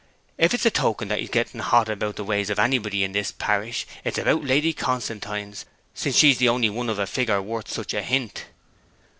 If 'tis a token that he's getting hot about the ways of anybody in this parish, 'tis about my Lady Constantine's, since she is the only one of a figure worth such a hint.'